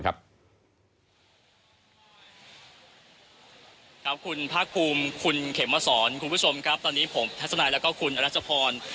คุณพระคุมคุณเขมวสรคุณผู้ชมตอนนี้ผมทัศนัยและคุณอรัชพร